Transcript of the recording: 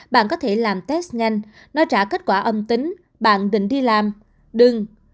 bạn có thể làm test nhanh nó trả kết quả âm tính bạn định đi làm đừng